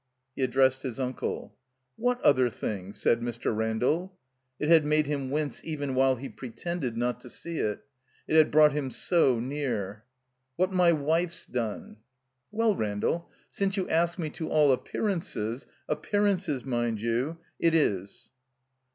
He addressed his uncle. "What other thing?" said Mr. Randall. It had made him wince even while he pretended not to see it. It had brought him so near. "What my wife's done." "Well, Randall, since you ask me, to all appear ances — appearances, mind you — it is."